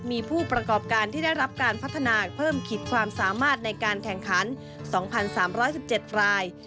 มีผู้ประกอบการที่ได้รับการพัฒนาเพิ่มขีดความสามารถในการแข่งขัน๒๓๑๗ราย